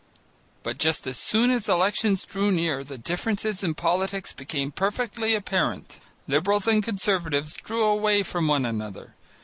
But just as soon as elections drew near, the differences in politics became perfectly apparent. Liberals and Conservatives drew away from one another.